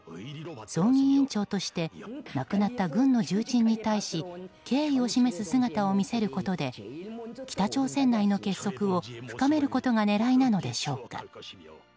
葬儀委員長として亡くなった軍の重鎮に対し敬意を示す姿を見せることで北朝鮮内の結束を深めることが狙いなのでしょうか。